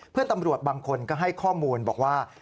เพื่อนตำรวจบางคนก็ให้ข้อมูลบอกว่า